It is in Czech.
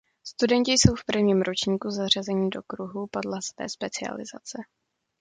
Studenti jsou v prvním ročníku zařazení do kruhů podle své specializace.